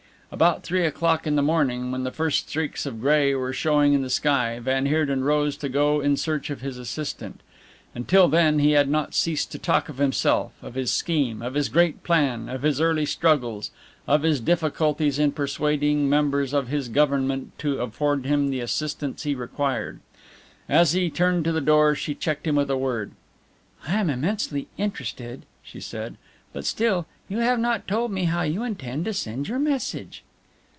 About three o'clock in the morning, when the first streaks of grey were showing in the sky, van Heerden rose to go in search of his assistant. Until then he had not ceased to talk of himself, of his scheme, of his great plan, of his early struggles, of his difficulties in persuading members of his Government to afford him the assistance he required. As he turned to the door she checked him with a word: "I am immensely interested," she said, "but still, you have not told me how you intend to send your message."